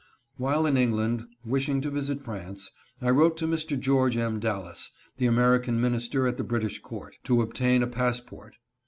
While in England, wishing to visit France, I wrote to Mr. George M. Dallas, the American minister at the British court, to obtain a passport.